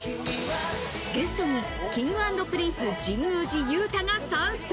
ゲストにＫｉｎｇ＆Ｐｒｉｎｃｅ・神宮寺勇太が参戦。